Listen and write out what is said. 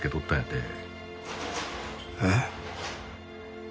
えっ？